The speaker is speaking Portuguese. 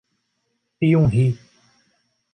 Piumhi